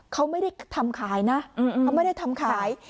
เขาไม่ได้ทำขายนะเขาไม่ได้ทำขาย